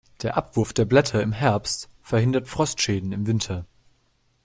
Der Abwurf der Blätter im Herbst verhindert Frostschäden im Winter.